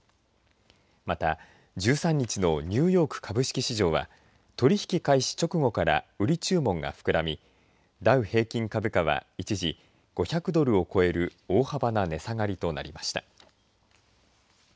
また１３日のニューヨーク株式市場は取引開始直後から売り注文が膨らみダウ平均株価は一時５００ドルを超える大幅な値下がりとなりました。